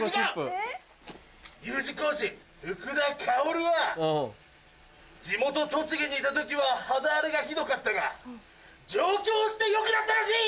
Ｕ字工事・福田薫は地元栃木にいた時は肌荒れがひどかったが上京して良くなったらしい！